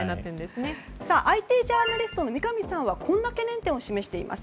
ＩＴジャーナリストの三上さんはこんな懸念点を示しています。